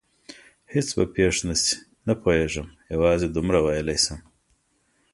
هېڅ به پېښ نه شي؟ نه پوهېږم، یوازې دومره ویلای شم.